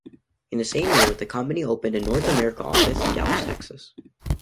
In the same year, the company opened a North America office in Dallas, Texas.